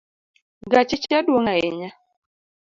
Gache cha dwong ahinya.